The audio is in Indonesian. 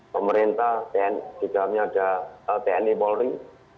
pemerintah tni juga ada tni polri